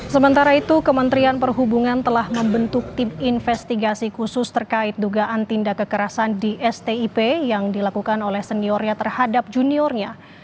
sementara itu kementerian perhubungan telah membentuk tim investigasi khusus terkait dugaan tindak kekerasan di stip yang dilakukan oleh seniornya terhadap juniornya